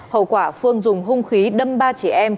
hậu quả phương dùng hung khí đâm ba chị em